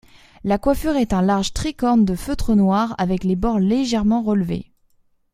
La coiffure est un large tricorne de feutre noir avec les bords légèrement relevés.